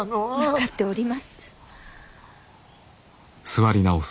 分かっております。